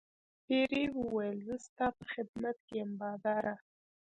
پیري وویل زه ستا په خدمت کې یم باداره.